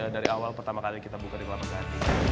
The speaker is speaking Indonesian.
dari awal pertama kali kita buka di pelabuhan